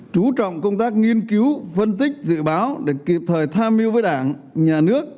chú trọng công tác nghiên cứu phân tích dự báo để kịp thời tham mưu với đảng nhà nước